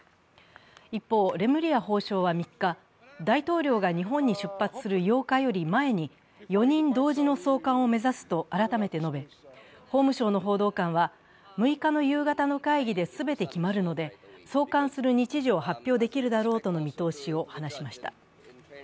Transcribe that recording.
一方、レムリヤ法相は３日、大統領が日本に出発する８日より前に４人同時の送還を目指すと改めて述べ法務省の報道官は、６日の夕方の会議で全て決まるので、送還する日時を発表できるだろうとの見通しを話しました。